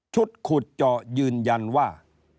ขุดเจาะยืนยันว่า